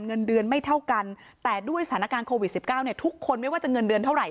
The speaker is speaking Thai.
เงินเดือนไม่เท่ากันแต่ด้วยสถานการณ์โควิด๑๙เนี่ยทุกคนไม่ว่าจะเงินเดือนเท่าไห